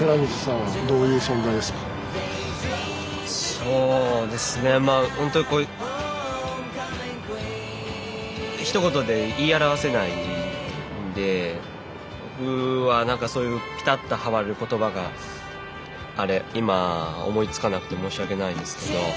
そうですねまあ本当僕は何かそういうピタッとはまる言葉が今思いつかなくて申し訳ないですけど。